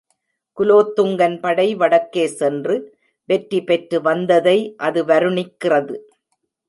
குலோத்துங்கன் படை வடக்கே சென்று வெற்றி பெற்று வந்ததை அது வருணிக்கிறது.